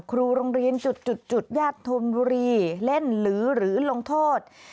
ครูโรงเรียนจุดญาติธนบุรีเล่นหรือลงโทษ